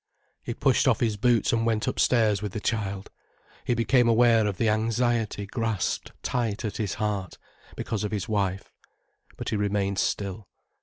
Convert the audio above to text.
He pushed off his boots and went upstairs with the child. He became aware of the anxiety grasped tight at his heart, because of his wife. But he remained still.